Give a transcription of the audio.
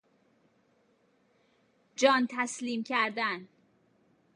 جان تسلیم کردن